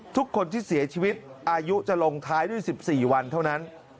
ทุกคนที่เสียชีวิตอายุจะลงท้ายด้วย๑๔วันเท่านั้น